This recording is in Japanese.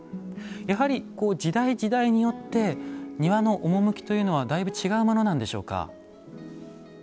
やはり時代、時代によって庭の趣というのはだいぶ違うものなんでしょうか？